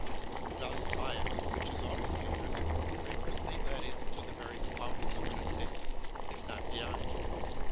This bias, which is always dangerous, frequently led him to the very bounds of good taste, if not beyond them.